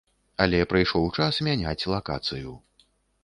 Але прыйшоў час мяняць лакацыю.